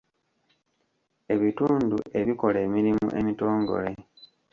Ebitundu ebikola emirimu emitongole.